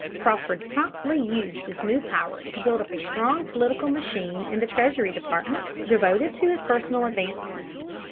Crawford promptly used this new power to build up a strong political machine in the Treasury Department, devoted to his personal advancement.